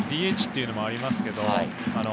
ＤＨというのもありますけれど。